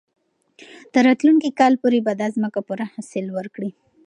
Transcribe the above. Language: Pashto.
تر راتلونکي کال پورې به دا مځکه پوره حاصل ورکړي.